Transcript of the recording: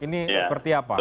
ini seperti apa ya betul